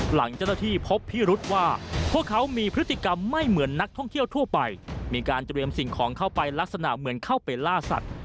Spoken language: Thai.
หลังเจ้าหน้าที่พบพิรุษว่าพวกเขามีพฤติกรรมไม่เหมือนนักท่องเที่ยวทั่วไปมีการเตรียมสิ่งของเข้าไปลักษณะเหมือนเข้าไปล่าสัตว์